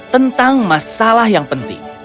tentang masalah yang penting